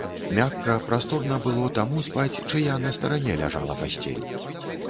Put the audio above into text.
Мякка, прасторна было таму спаць, чыя на старане ляжала пасцель.